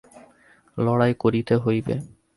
লড়াই করিতে হইবে।